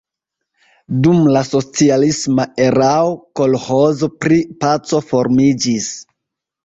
Dum la socialisma erao kolĥozo pri "Paco" formiĝis.